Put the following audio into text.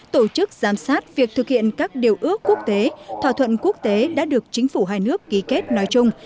tổ chức giám sát việc thực hiện các điều ước quốc tế thỏa thuận quốc tế đã được chính phủ hai nước ký kết nói chung